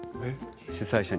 主催者に。